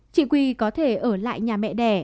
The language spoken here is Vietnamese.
chị quy có thể ở lại nhà mẹ đẻ